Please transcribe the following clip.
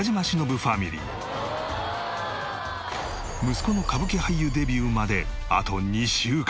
息子の歌舞伎俳優デビューまであと２週間。